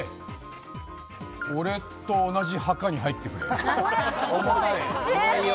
俺と同じ墓に入ってくれ。